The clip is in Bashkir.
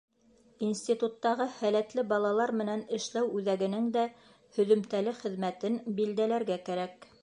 Институттағы һәләтле балалар менән эшләү үҙәгенең дә һөҙөмтәле хеҙмәтен билдәләргә кәрәк.